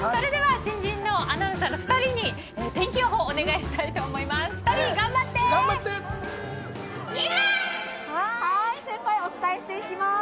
新人アナウンサーの２人に天気予報を先輩、お伝えしていきます。